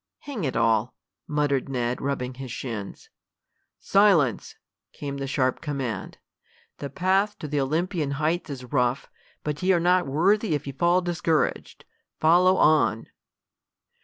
"Hang it all!" muttered Ned, rubbing his shins. "Silence!" came the sharp command. "The path to the Olympian heights is rough, but ye are not worthy if ye fall discouraged. Follow on!"